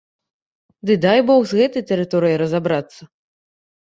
Ды дай бог з гэтай тэрыторыяй разабрацца!